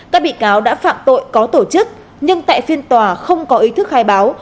các bị cáo đã phạm tội có tổ chức nhưng tại phiên tòa không có ý thức khai báo